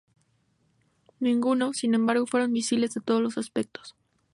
Ninguno, sin embargo, fueron misiles de todos los aspectos.